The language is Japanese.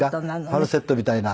ファルセットみたいな。